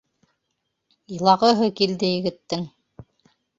Илағыһы килде егеттең.